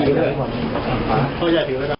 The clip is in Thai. ลูกชายวัย๑๘ขวบบวชหน้าไฟให้กับพุ่งชนจนเสียชีวิตแล้วนะครับ